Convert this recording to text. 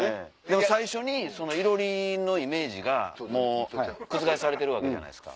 最初にいろりのイメージが覆されてるわけじゃないですか。